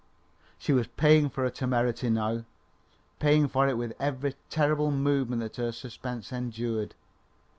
She was paying for her temerity now, paying for it with every terrible moment that her suspense endured.